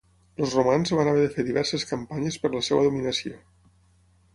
Els romans van haver de fer diverses campanyes per la seva dominació.